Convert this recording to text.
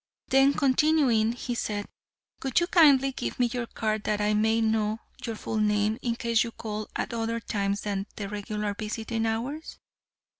Then continuing, he said, "Would you kindly give me your card that I may know your full name in case you call at other times than the regular visiting hours?"